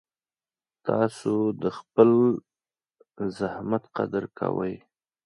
تاسو د خپل زحمت قدر کوئ.